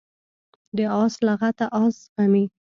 د آس لغته آس زغمي.